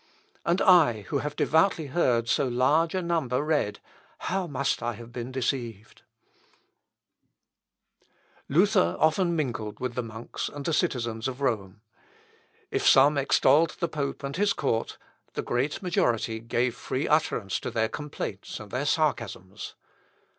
And I, who have devoutly heard so large a number read, how must I have been deceived!" Luth. Op. (W.) xix, von der Winkelmesse. Luther often mingled with the monks and the citizens of Rome. If some extolled the pope and his court, the great majority gave free utterance to their complaints and their sarcasms.